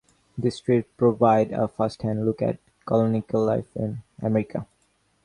This trip provided a first-hand look at colonial life in America.